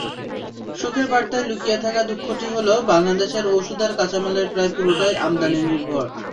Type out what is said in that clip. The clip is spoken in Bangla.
সুখের বার্তায় লুকিয়ে থাকা দুঃখটি হলো, বাংলাদেশের ওষুধের কাঁচামালের প্রায় পুরোটাই আমদানিনির্ভর।